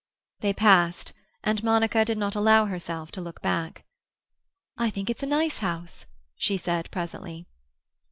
They passed, and Monica did not allow herself to look back. "I think it's a nice house," she said presently.